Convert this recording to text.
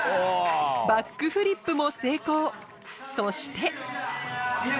・バックフリップも成功そして・水杜